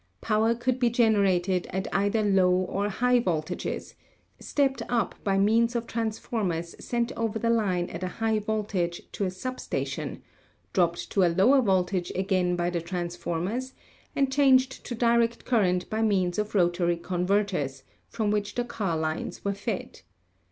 Power could be generated at either low or high voltages, stepped up by means of transformers sent over the line at a high voltage to a sub station, dropped to a lower voltage again by the transformers, and changed to direct current by means of rotary converters, from which the car lines were fed.